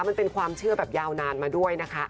มันเป็นความเชื่อแบบยาวนานมาด้วยนะคะ